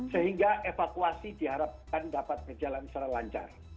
sehingga evakuasi diharapkan dapat berjalan secara lancar